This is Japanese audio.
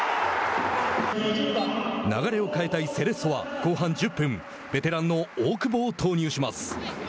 流れを変えたいセレッソは後半１０分ベテランの大久保を投入します。